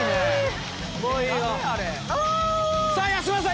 さぁ安村さん